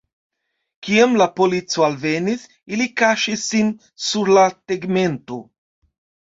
Kiam la polico alvenis, ili kaŝis sin sur la tegmento.